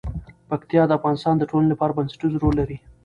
پکتیا د افغانستان د ټولنې لپاره بنسټيز رول لري.